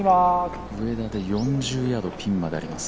上田４０ヤードピンまであります。